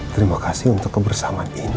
terima kasih untuk kebersamaan ini